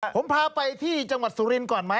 ผมพาไปที่จังหวัดสุรินทร์ก่อนไหม